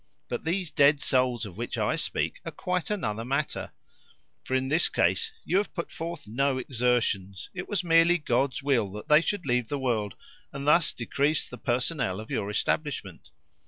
But these dead souls of which I speak are quite another matter, for in this case you have put forth no exertions it was merely God's will that they should leave the world, and thus decrease the personnel of your establishment.